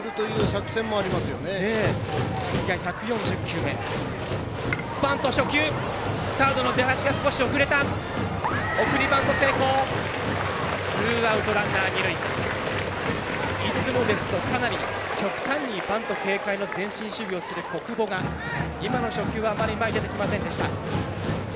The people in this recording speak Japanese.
いつもですと、かなり極端にバント警戒の前進守備をする小久保が、今の初球はあまり前に出てきませんでした。